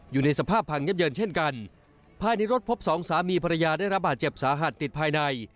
อยู่ในสภาพพังยับเยินเช่นกันภายในรถพบสองสามีภรรยาได้รับบาดเจ็บสาหัสติดภายใน